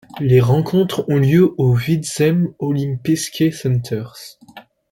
Les rencontres ont lieu au Vidzemes Olimpiskais centrs.